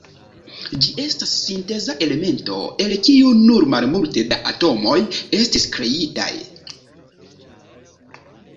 Ĝi estas sinteza elemento, el kiu nur malmulte da atomoj estis kreitaj.